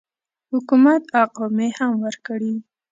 حکومت اقامې هم ورکړي.